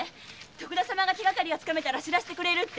徳田様が手がかりがつかめたら報せてくれるって。